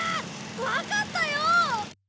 わかったよ！